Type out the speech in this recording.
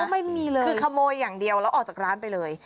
ไม่มีเลยคือขโมยอย่างเดียวแล้วออกจากร้านไปเลย